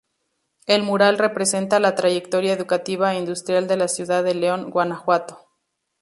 El mural representa la trayectoria educativa e industrial de la ciudad de León, Guanajuato.